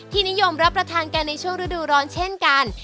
นิยมรับประทานกันในช่วงฤดูร้อนเช่นกัน